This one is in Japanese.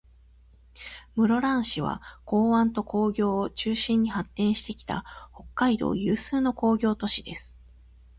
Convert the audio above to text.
室蘭市は、港湾と工業を中心に発展してきた、北海道有数の工業都市です。